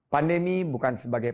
pandemi bukan sebagai